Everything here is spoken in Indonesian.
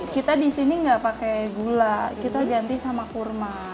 kita di sini nggak pakai gula kita ganti sama kurma